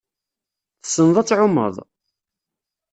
Tessneḍ ad tɛummeḍ?